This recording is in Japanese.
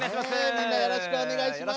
みんなよろしくお願いします。